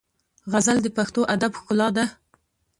غزل د پښتو ادب ښکلا ده.